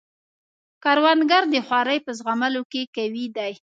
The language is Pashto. کروندګر د خوارۍ په زغملو کې قوي دی